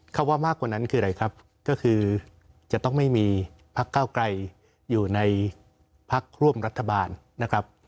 คำว่ามากกว่านั้นคืออะไรครับก็คือจะต้องไม่มีพักเก้าไกลอยู่ในพักร่วมรัฐบาลนะครับ